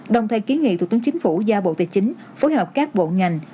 đồng thời kiến nghị thủ tướng chính phủ giao bộ tài chính phối hợp các bộ ngành